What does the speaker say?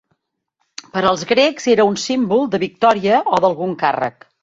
Per als grecs era un símbol de victòria o d'algun càrrec.